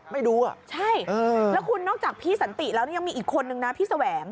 ไม่รู้อ่ะใช่แล้วคุณนอกจากพี่สันติแล้วนี่ยังมีอีกคนนึงนะพี่แสวง